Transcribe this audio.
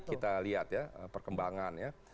kita lihat ya perkembangan ya